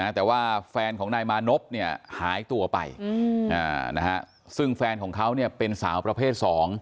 แต่ว่าแฟนของนายมานพหายตัวไปซึ่งแฟนของเขาเป็นสาวประเภท๒